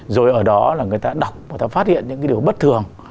rồi ở đó là người ta đọc người ta phát hiện những cái điều bất thường